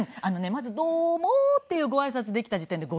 まず「どうも」っていうご挨拶できた時点で５級合格。